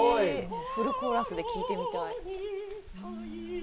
フルコーラスで聞いてみたい。